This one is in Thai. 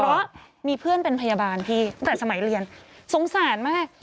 เพราะมีเพื่อนเป็นพยาบาลพี่ตั้งแต่สมัยเรียนสงสารมาก